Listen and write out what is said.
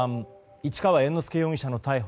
市川猿之助容疑者の逮捕。